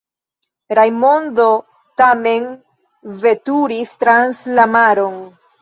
Rajmondo tamen veturis trans la maron.